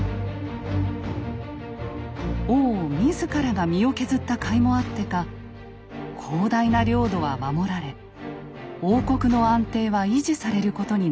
王自らが身を削ったかいもあってか広大な領土は守られ王国の安定は維持されることになりました。